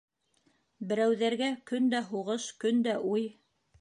Берәүҙәргә көндә һуғыш, көндә уй.